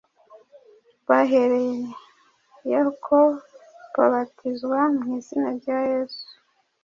Bahereyeko babatizwa mu izina rya Yesu,